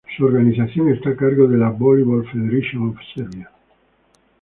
Su organización está a cargo de la Volleyball Federation of Serbia.